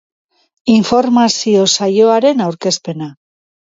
Informazio-saioaren aurkezpena.